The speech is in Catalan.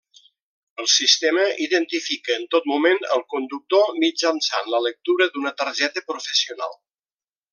El sistema identifica en tot moment el conductor mitjançant la lectura d'una targeta professional.